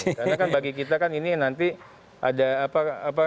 karena kan bagi kita kan ini nanti ada apa apa